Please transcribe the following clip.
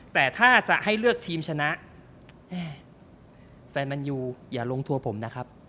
แต่ถ้าจะให้เลือกทีมชนะแฟนแมนยูอย่าลงทัวร์ผมนะครับ